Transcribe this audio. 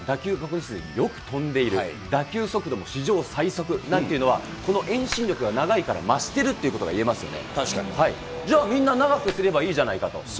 ですから先ほどもＶＴＲの中で当たった打球がよく飛んでいる、打球速度も史上最速なんていうのは、この遠心力が長いから増してるということが言えますよね。